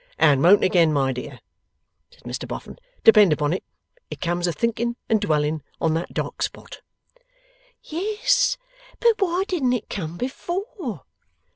'And won't again, my dear,' said Mr Boffin. 'Depend upon it, it comes of thinking and dwelling on that dark spot.' 'Yes; but why didn't it come before?